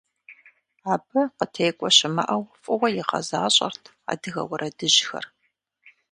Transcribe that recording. Абы къытекӏуэ щымыӏэу фӏыуэ игъэзащӏэрт адыгэ уэрэдыжьхэр.